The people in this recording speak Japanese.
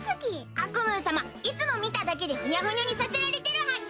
アクムー様いつも見ただけでふにゃふにゃにさせられてるはぎ。